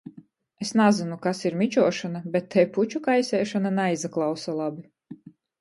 Es nazynu, kas ir mičuošona, bet tei puču kaiseišona naizaklausa labi.